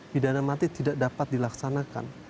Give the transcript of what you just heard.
pidana mati tidak dapat dilaksanakan